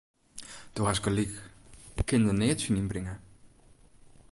Do hast gelyk, ik kin der neat tsjin ynbringe.